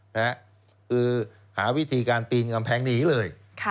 คือหาวิธีการปีนกำแพงหนีเลย